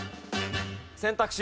選択肢